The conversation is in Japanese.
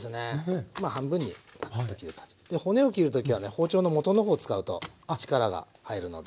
骨を切る時はね包丁の元の方を使うと力が入るので。